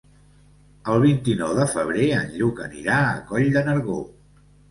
El vint-i-nou de febrer en Lluc anirà a Coll de Nargó.